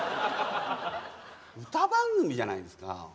歌番組じゃないですか。